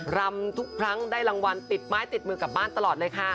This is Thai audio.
รำทุกครั้งได้รางวัลติดไม้ติดมือกลับบ้านตลอดเลยค่ะ